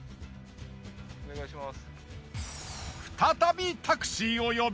お願いします。